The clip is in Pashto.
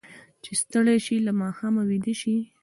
چې ستړي شي، له ماښامه ویده شي.